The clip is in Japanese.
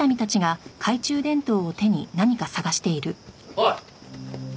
おい！